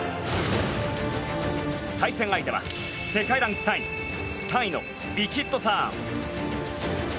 対戦相手は世界ランク３位タイのヴィチットサーン。